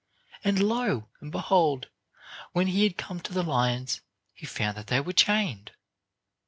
And lo! and behold, when he had come to the lions he found that they were chained.